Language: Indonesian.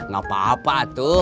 gak apa apa tuh